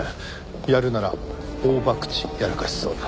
やるなら大ばくちやらかしそうだ。